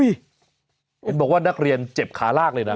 เห็นบอกว่านักเรียนเจ็บขาลากเลยนะ